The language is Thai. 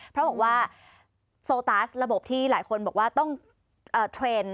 เพราะบอกว่าโซตัสระบบที่หลายคนบอกว่าต้องเทรนด์